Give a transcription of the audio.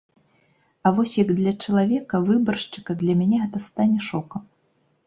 А вось як для чалавека, выбаршчыка для мяне гэта стане шокам.